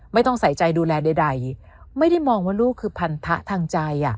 ไม่ต้องใส่ใจดูแลใดไม่ได้มองว่าลูกคือพันธะทางใจ